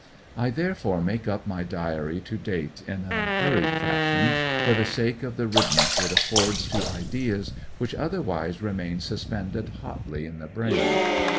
I therefore make up my diary to date in a hurried fashion, for the sake of the riddance it affords to ideas which otherwise remain suspended hotly in the brain.